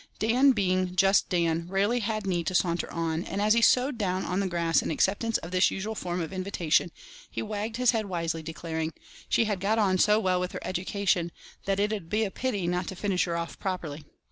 Dan being just Dan rarely had need to saunter on; and as he sewed down on the grass in acceptance of this usual form of invitation, he wagged his head wisely, declaring "she had got on so well with her education that it 'ud be a pity not to finish her off properly."